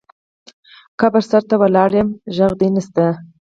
قبر سرته دې ولاړ یم غږ دې نه شــــته